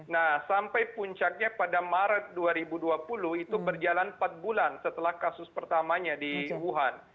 nah sampai puncaknya pada maret dua ribu dua puluh itu berjalan empat bulan setelah kasus pertamanya di wuhan